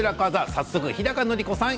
早速日高のり子さん